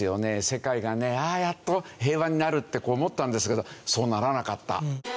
世界がねやっと平和になるってこう思ったんですけどそうならなかった。